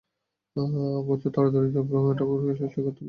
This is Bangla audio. বাছা, তাড়াতাড়ি ঝগড়া মেটাবার চেষ্টা করতে গিয়ে আবার একটা ঝঞ্ঝাটে পোড়ো না।